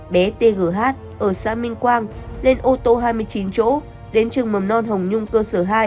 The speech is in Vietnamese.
bé th ở xã minh quang lên ô tô hai mươi chín chỗ đến trường mầm non hồng nhung cơ sở hai